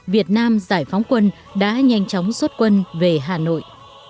việt nam giải phóng quân đã nhanh chóng xuất quân về hà nội